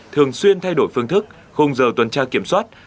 thường xuyên thay đổi phương thức không giờ tuần tra kiểm soát